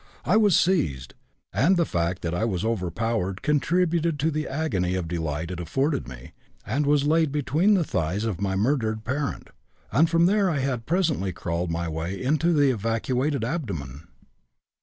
I was seized (and the fact that I was overpowered contributed to the agony of delight it afforded me) and was laid between the thighs of my murdered parent; and from there I had presently crawled my way into the evacuated, abdomen.